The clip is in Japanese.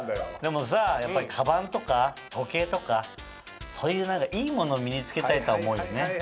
でもさやっぱりかばんとか時計とかいいものを身に着けたいとは思うよね。